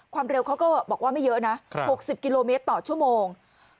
เร็วเขาก็บอกว่าไม่เยอะนะ๖๐กิโลเมตรต่อชั่วโมง